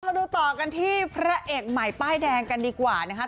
ดูต่อกันที่พระเอกใหม่ป้ายแดงกันดีกว่านะคะ